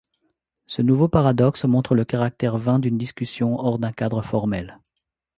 Ce nouveau paradoxe montre le caractère vain d'une discussion hors d'un cadre formel.